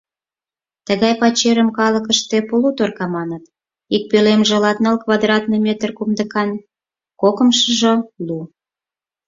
Тыгай пачерым калыкыште «полуторко» маныт; ик пӧлемже латныл квадратный метр кумдыкан, кокымшыжо лу.